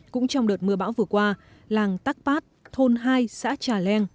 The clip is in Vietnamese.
cũng trong đợt mưa bão vừa qua làng tắc phát thôn hai xã trà leng